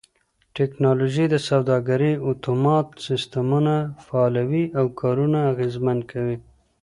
ټکنالوژي د سوداګرۍ اتومات سيستمونه فعالوي او کارونه اغېزمن کوي.